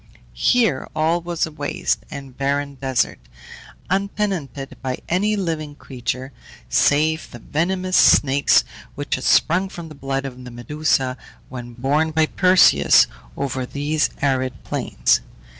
Here all was a waste and barren desert, untenanted by any living creature, save the venomous snakes which had sprung from the blood of the Medusa when borne by Perseus over these arid plains.